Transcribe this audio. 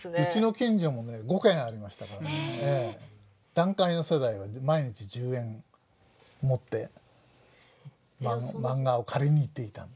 団塊の世代は毎日１０円持ってマンガを借りに行っていたんです。